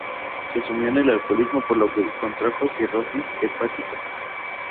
Se sumió en el alcoholismo por lo que contrajo cirrosis hepática.